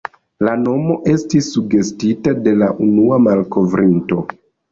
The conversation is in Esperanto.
La nomo estis sugestita de la unua malkovrinto.